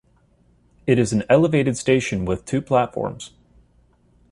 It is an elevated station with two platforms.